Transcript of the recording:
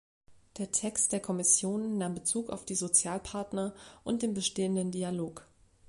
Der Text der Kommission nahm Bezug auf die Sozialpartner und den bestehenden Dialog.